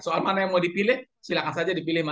soal mana yang mau dipilih silakan saja dipilih